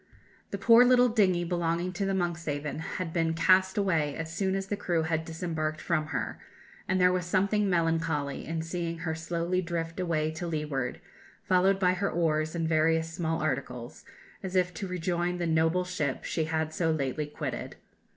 "The poor little dingy belonging to the Monkshaven had been cast away as soon as the crew had disembarked from her, and there was something melancholy in seeing her slowly drift away to leeward, followed by her oars and various small articles, as if to rejoin the noble ship she had so lately quitted.